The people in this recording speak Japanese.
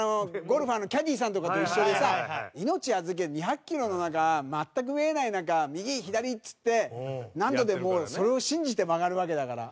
ゴルファーのキャディーさんとかと一緒でさ命を預ける２００ｋｍの中全く見えない中右、左っつって何度でそれを信じて曲がるわけだから。